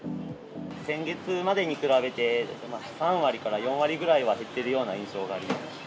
先月までに比べて、３割から４割ぐらいは減ってるような印象があります。